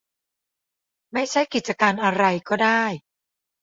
ไม่ใช่กิจการอะไรก็ได้